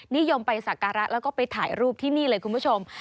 นิยมไปสักการะแล้วก็ไปถ่ายรูปที่นี่เลยคุณผู้ชม